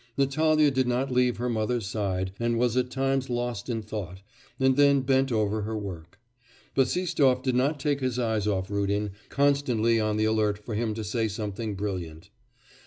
Natalya did not leave her mother's side, and was at times lost in thought, and then bent over her work. Bassistoff did not take his eyes off Rudin, constantly on the alert for him to say something brilliant.